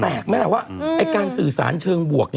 มันแปลกมั้ยล่ะว่าการสื่อสารเชิงบวก